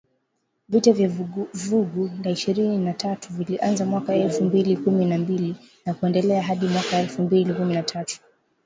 Vita vya Vuguvugu la Ishirini na tatu vilianza mwaka elfu mbili kumi na mbili na kuendelea hadi mwaka elfu mbili kumi na tatu